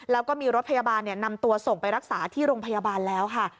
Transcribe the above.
แล้วก็มีรถพยาบาลนำตัวส่งไปรักษาที่โรงพยาบาลแล้วค่ะ